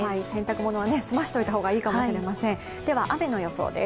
洗濯物は済ませておいた方がいいかもしれません。